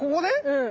うん。